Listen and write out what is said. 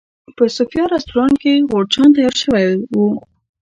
په صوفیا رسټورانټ کې غورچاڼ تیار شوی و.